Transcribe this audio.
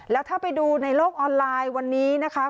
แล้วถ้าไปดูในโลกออนไลน์วันนี้นะคะ